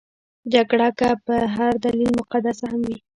جګړه که په هر دلیل مقدسه هم وي.